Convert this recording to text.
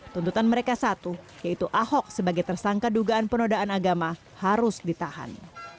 tuntutan mereka satu yaitu ahok sebagai tersangka dugaan penodaan agama harus ditahan